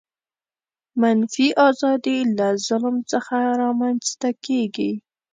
منفي آزادي له ظلم څخه رامنځته کیږي.